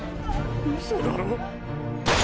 ウソだろ。